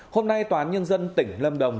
hôm nay tòa án nhân dân tỉnh lâm đồng